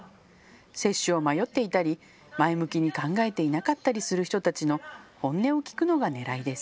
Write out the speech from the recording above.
接種を迷っていたり前向きに考えていなかったりする人たちの本音を聞くのがねらいです。